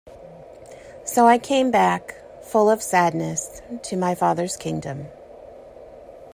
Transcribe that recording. So I came back, full of sadness, to my father’s kingdom.